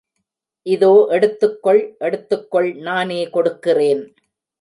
இதோ எடுத்துக்கொள், எடுத்துக்கொள், நானே கொடுக்கிறேன்.